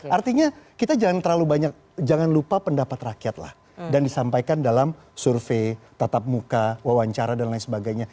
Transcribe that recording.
artinya kita jangan terlalu banyak jangan lupa pendapat rakyat lah dan disampaikan dalam survei tatap muka wawancara dan lain sebagainya